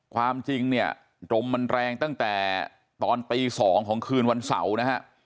ความจริงเนี่ยลมมันแรงตั้งแต่ตอนตี๒ของคืนวันเสาร์นะฮะ